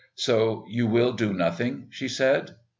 "So you will do nothing?" she said.